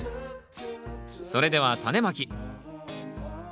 それではタネまき。